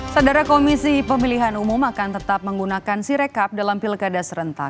saudara komisi pemilihan umum akan tetap menggunakan sirekap dalam pilkada serentak